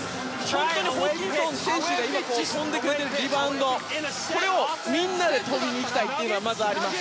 本当にホーキンソン選手が今、跳んでくれているリバウンドこれをみんなでとりにいきたいというのがまずあります。